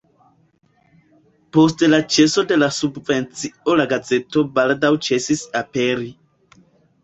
Post la ĉeso de la subvencio la gazeto baldaŭ ĉesis aperi.